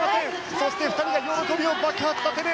そして、２人が喜びを爆発させる。